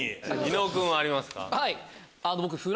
伊野尾君はありますか？